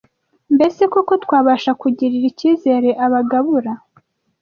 Mbese koko twabasha kugirira icyizere abagabura